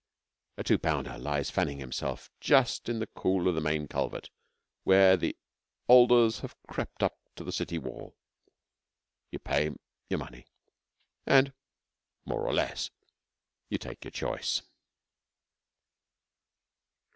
A two pounder lies fanning himself just in the cool of the main culvert, where the alders have crept up to the city wall. You pay your money and, more or less, you take your choice.